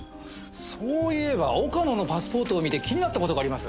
そういえば岡野のパスポートを見て気になった事があります。